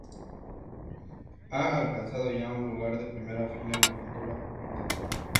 Ha alcanzado ya un lugar de primera fila en la pintura contemporánea".